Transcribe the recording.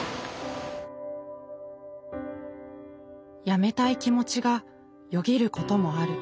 辞めたい気持ちがよぎることもある。